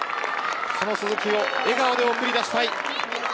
その鈴木を笑顔で送り出したい。